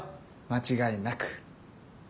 間違いなく。